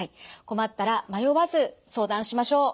困ったら迷わず相談しましょう。